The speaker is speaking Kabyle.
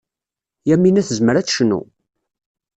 Yamina tezmer ad tecnu.